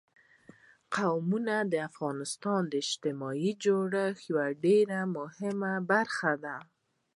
قومونه د افغانستان د اجتماعي جوړښت یوه ډېره مهمه برخه ده.